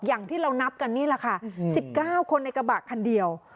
อย่างที่เรานับกันนี่แหละค่ะ๑๙คนในกระบะคันเดียว